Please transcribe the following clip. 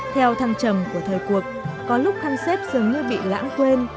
theo thăng trầm của thời cuộc có lúc khăn xếp dường như bị lãng quên